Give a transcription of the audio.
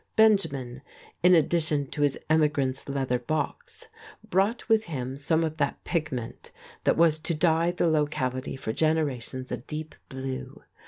Benjamin, in addition to his emigrant's leather box, brought with him some of that pigment that was to dye the locality for generations a deep blue.